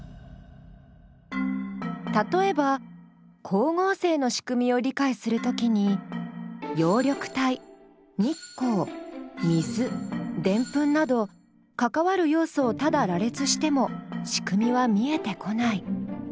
例えば光合成の仕組みを理解するときになど関わる要素をただ羅列しても仕組みは見えてこない。